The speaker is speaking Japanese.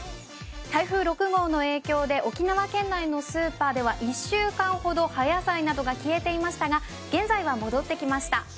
台風６号の影響で、沖縄県内のスーパーでは１週間ほど葉野菜などが消えていましたが現在は戻ってきました。